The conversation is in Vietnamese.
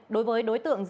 đối với đối tượng dịch